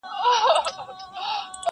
شپې اخیستی لاره ورکه له کاروانه,